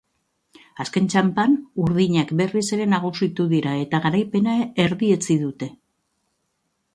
Azken txanpan, urdinak berriz ere nagusitu dira eta garaipena erdietsi dute.